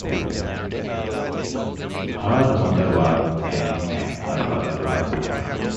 Her mother was Chinese and her father was Mayan.